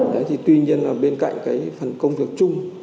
đấy thì tuy nhiên là bên cạnh cái phần công việc chung